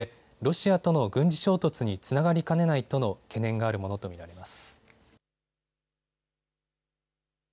戦闘機の移送によってロシアとの軍事衝突につながりかねないとの懸念があるものと見られます。